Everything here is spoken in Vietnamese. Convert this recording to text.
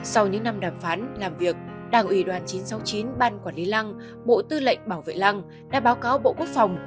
sau những năm đàm phán làm việc đảng ủy đoàn chín trăm sáu mươi chín ban quản lý lăng bộ tư lệnh bảo vệ lăng đã báo cáo bộ quốc phòng